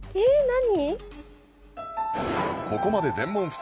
何？